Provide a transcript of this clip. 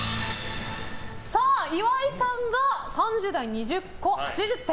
岩井さんが３０代、２０個、８０点。